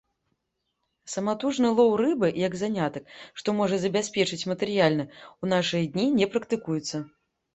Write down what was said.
Саматужны лоў рыбы як занятак, што можа забяспечыць матэрыяльна, у нашыя дні не практыкуецца.